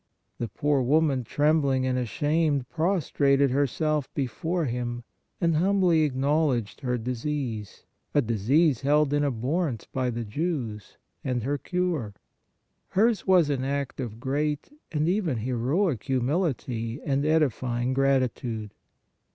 The poor woman trembling and ashamed prostrated herself before Him, and humbly acknowledged her disease, a disease held in abhor rence by the Jews, and her cure. Hers was an act of great and even heroic humility and edifying gratitude.